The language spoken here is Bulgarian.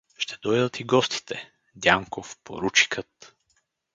Ще дойдат и гостите — Дянков, поручикът.